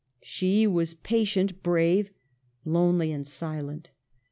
She was patient, brave, lonely, and silent.